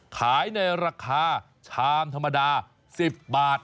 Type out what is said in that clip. ขายในราคาชามธรรมดา๑๐บาท